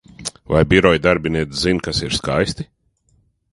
Vai biroja darbiniece zin, kas ir skaisti?